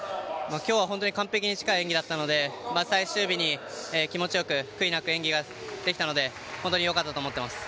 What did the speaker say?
今日は完璧に近い演技だったので最終日に気持ち良く悔いなく演技ができたので本当に良かったと思っています。